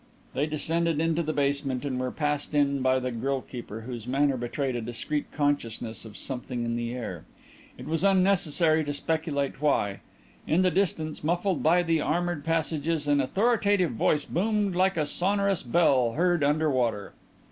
They descended into the basement and were passed in by the grille keeper, whose manner betrayed a discreet consciousness of something in the air. It was unnecessary to speculate why. In the distance, muffled by the armoured passages, an authoritative voice boomed like a sonorous bell heard under water.